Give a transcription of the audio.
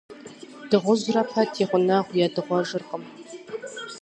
Дыгъужьырэ пэт и гъунэгъу едыгъуэжыркъым.